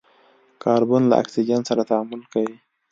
کاربن له اکسیجن سره تعامل کوي.